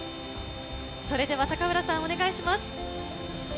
それでは高浦さん、お願いいたします。